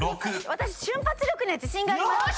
私瞬発力には自信があります。